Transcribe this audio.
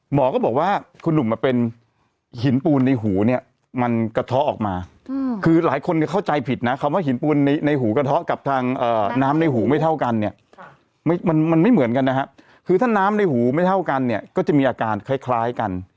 หมอก็บอกว่าคุณหนุ่มเป็นหินปูนในหูเนี่ยมันกระเทาะออกมาคือหลายคนเข้าใจผิดนะคำว่าหินปูนในหูกระทะกับทางน้ำในหูไม่เท่ากันเนี่ยมันไม่เหมือนกันนะฮะคือถ้าน้ำในหูไม่เท่ากันเนี่ยก็จะมีอาการคล้ายกัน